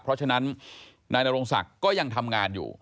เพราะฉะนั้นนายนโรงศักดิ์ก็ยังทำงานอยู่